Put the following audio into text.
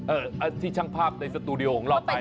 ที่ช่างภาพในสตูดิโอของเราไป